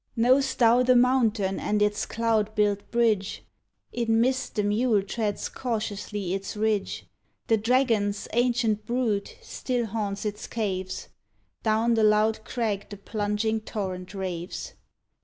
Know'st thou the mountain and its cloud built bridge? In mist the mule treads cautiously its ridge; The dragon's ancient brood still haunts its caves; Down the loud crag the plunging torrent raves.